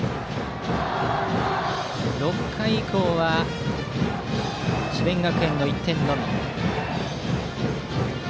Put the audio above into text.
６回以降は智弁学園の１点のみ。